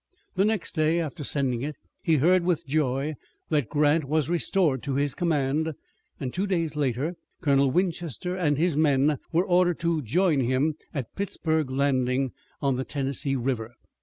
The next day after sending it he heard with joy that Grant was restored to his command, and two days later Colonel Winchester and his men were ordered to join him at Pittsburg Landing, on the Tennessee River.